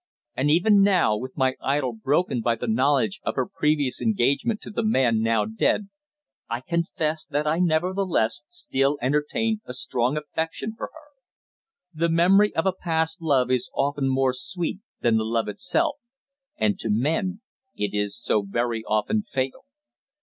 And even now, with my idol broken by the knowledge of her previous engagement to the man now dead, I confess that I nevertheless still entertained a strong affection for her. The memory of a past love is often more sweet than the love itself and to men it is so very often fatal.